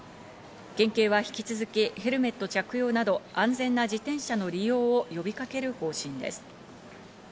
県警は引き続きヘルメット着用など安全な自転車の利用を呼びかける方針です。